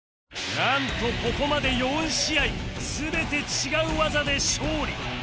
なんとここまで４試合全て違う技で勝利